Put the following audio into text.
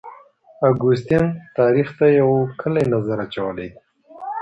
اګوستین تاریخ ته یو کلی نظر اچولی دی.